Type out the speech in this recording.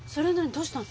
どうしたの？